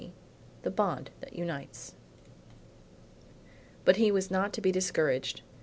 THE BOND THAT UNITES But he was not to be discouraged.